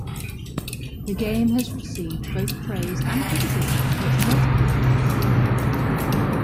The game has received both praise and criticism for its multiple-genre format.